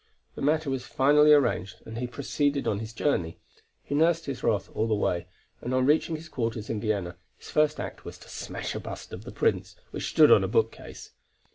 The matter was finally arranged, and he proceeded on his journey. He nursed his wrath all the way, and on reaching his quarters in Vienna, his first act was to smash a bust of the Prince which stood on a bookcase.